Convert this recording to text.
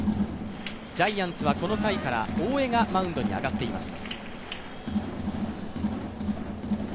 ジャイアンツはこの回から大江がマウンドに上がっています。